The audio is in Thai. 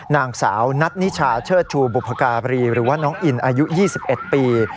นางสาวนัทนิชาเชิดชูบุพการีหรือว่าน้องอินอายุ๒๑ปี